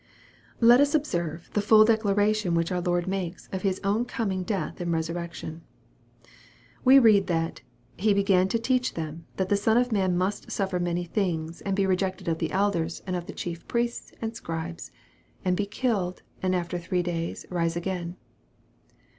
Let us observe the full declaration which our Lord makes of His own coming death and resurrection. We read that '* He began to teach them, that the Son of man must eufter many things, and be rejected of the elders, and oi 166 EXPOSITOR! THOUGHTS. the chief priests, and scribes, and be killed, and after three dayt rise again."